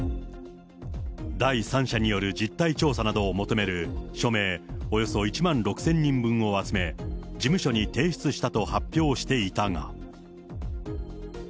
第三者による実態調査などを求める署名、およそ１万６０００人分を集め、事務所に提出したと発表していたが。